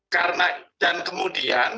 karena dan kemudian